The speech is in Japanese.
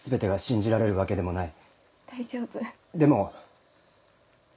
でも。